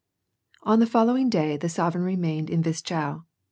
On the following day, the sovereign remained in Wischau.